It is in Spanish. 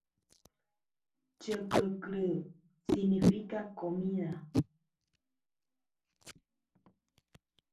Le dieron á beber vinagre mezclado con hiel: y gustando, no quiso beber lo